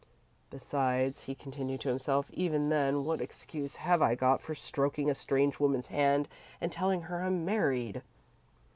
"Besides," he continued to himself "even then, what excuse have I got for stroking a strange woman's hand and telling her I'm married?"